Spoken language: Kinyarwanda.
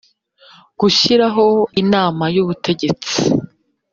gushyiraho inama y ubutegetsi